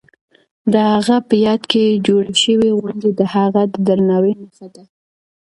د هغه په یاد کې جوړې شوې غونډې د هغه د درناوي نښه ده.